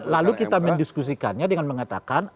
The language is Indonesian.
lalu kita mendiskusikannya dengan mengatakan